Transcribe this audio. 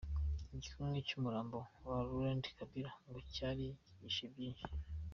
Igikumwe cy’umurambo wa Laurent Kabila ngo cyari gihishe byinshi.